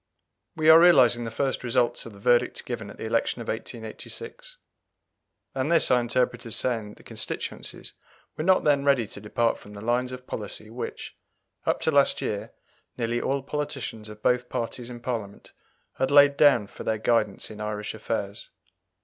We are realizing the first results of the verdict given at the election of 1886. And this I interpret as saying that the constituencies were not then ready to depart from the lines of policy which, up to last year, nearly all politicians of both parties in Parliament had laid down for their guidance in Irish affairs.